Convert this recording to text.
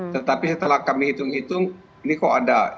tetapi setelah kami hitung hitung ini kok ada